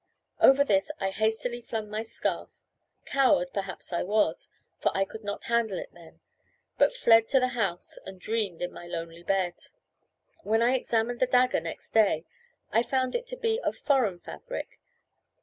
Over this I hastily flung my scarf; coward, perhaps I was, for I could not handle it then, but fled to the house and dreamed in my lonely bed. When I examined the dagger next day, I found it to be of foreign fabric.